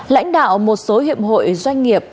lãnh đạo một số hiệp hội doanh nghiệp